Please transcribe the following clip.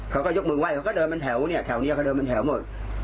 เขาก็ยกมือไห้เขาก็เดินเป็นแถวเนี่ยแถวนี้เขาเดินเป็นแถวหมด